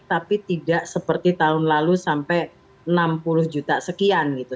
tapi tidak seperti tahun lalu sampai enam puluh juta sekian gitu